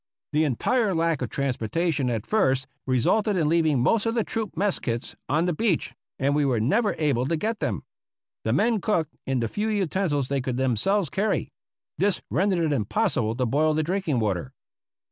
The entire lack of transportation at first resulted in leaving most of the troop mess kits on the beach, and we were never able to get them. The men cooked in the few utensils they could themselves carry. This rendered it impossible to boil the drinking water.